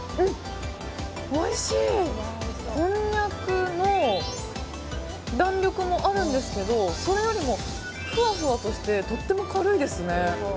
こんにゃくの弾力もあるんですけどそれよりも、ふわふわとしてとっても軽いですね。